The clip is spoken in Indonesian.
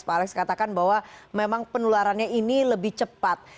pak alex katakan bahwa memang penularannya ini lebih cepat